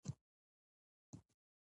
بزکشي په کوم موسم کې کیږي؟